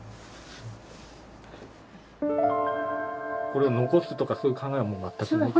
これ残すとかそういう考えは？